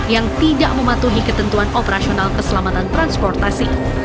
yang tidak mematuhi ketentuan operasional keselamatan transportasi